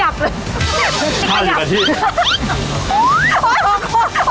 ห้าลึกอาทิตย์